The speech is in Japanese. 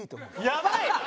やばい！